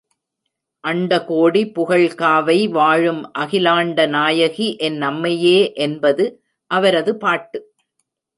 அண்டகோடி புகழ்காவை வாழும் அகிலாண்டநாயகி என் அம்மையே என்பது அவரது பாட்டு.